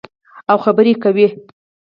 او خبرې کوي.